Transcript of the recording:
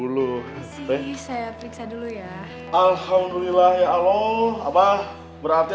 dari kemarin tete belum mandi